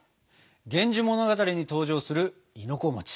「源氏物語」に登場する亥の子。